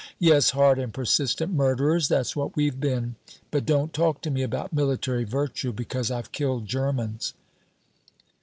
Yes, hard and persistent murderers, that's what we've been. But don't talk to me about military virtue because I've killed Germans."